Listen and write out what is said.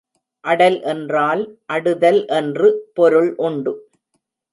அடல் என்றால் அடுதல் என்று பொருள் உண்டு.